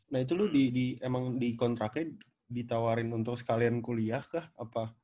nah itu lu emang di kontraknya ditawarin untuk sekalian kuliah kah apa